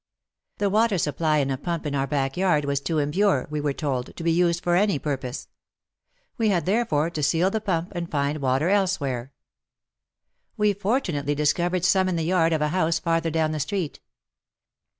The water supply in a pump in our backyard was too impure, we were told, to be used for any purpose. We had therefore to seal the pump and find water elsewhere. We fortunately discovered some in the yard of a house farther down the street.